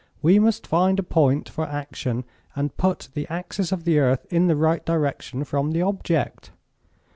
We must find a point for action and put the axis of the earth in the right direction from the object.'